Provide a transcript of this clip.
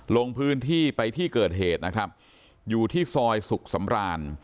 ลงพื้นที่ไปที่เกิดเหตุนะครับอยู่ที่ซอยสุขสำราน